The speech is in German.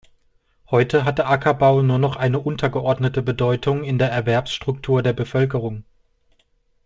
Heute hat der Ackerbau nur noch eine untergeordnete Bedeutung in der Erwerbsstruktur der Bevölkerung.